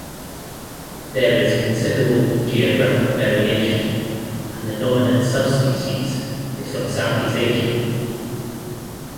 There is considerable geographic variation and the nominate subspecies is from Southeast Asia.